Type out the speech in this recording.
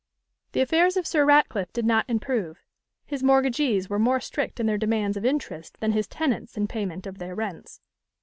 The affairs of Sir Ratcliffe did not improve. His mortgagees were more strict in their demands of interest than his tenants in payment of their rents.